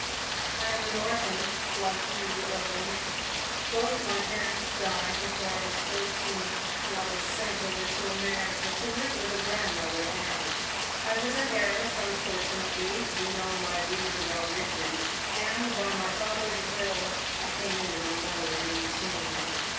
"I am an orphan like you, Evelyn. Both my parents died before I was fourteen, and I was sent over to America to live with a grandmother aunt. I was an heiress, unfortunately you know my views about riches! and by my father's will I came into my money at eighteen.